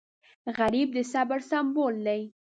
غریب د صبر سمبول دی